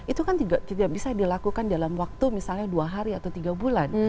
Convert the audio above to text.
itu kan tidak bisa dilakukan dalam waktu misalnya dua hari atau tiga bulan